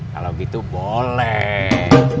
kalau gitu boleh